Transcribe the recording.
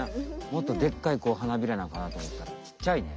もっとでっかい花びらなんかなとおもったらちっちゃいね。